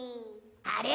あれ？